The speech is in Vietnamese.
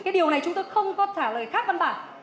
cái điều này chúng tôi không có thả lời khác văn bản